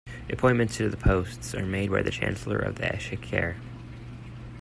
Appointments to the posts are made by the Chancellor of the Exchequer.